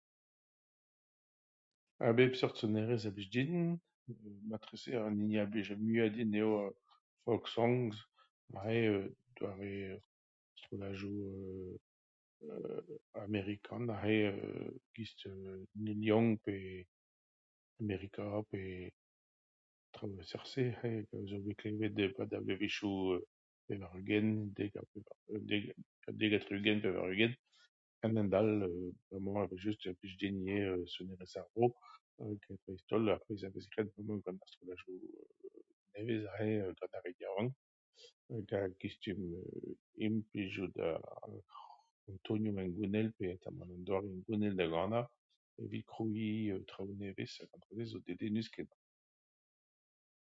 A bep seurt sonerezh a blij din. Marteze an hini a blij ar muiañ din eo folk songs, aze doare strolladoù euu amerikan aze e-giz Neil Young pe amerika pe traoù a seurt-se aze a zo bet klevet e-pad ar bloavezhioù pevar-ugent, dek ha pevar() dek ha tri-ugent, pevar-ugent hag a-hend-all bremañ evel-just e plij din ivez sonerezh ar vro ha dreist-holl ar pezh a vez graet bremañ gant strolladoù nevez aze gant ar re yaouank hag a gustum implijout tonioù hengounel peotramant doareoù da ganañ evit krouiñ traoù nevez ha se zo dedennus-kenañ.